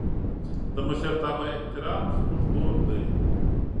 د مشرتابه احترام زموږ دود دی.